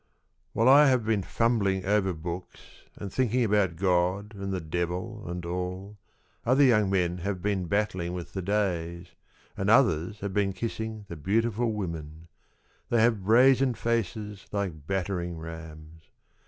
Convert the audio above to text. WHILE I have been fumbling over books And thinking about God and the Devil and all, Other young men have been battling with the days, And others have been kissing the beautiful women : They have brazen faces like battering rams.